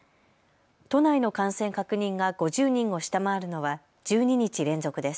都内の感染確認が５０人を下回るのは１２日連続です。